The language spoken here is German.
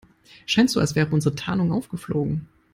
Scheint so, als wäre unsere Tarnung aufgeflogen.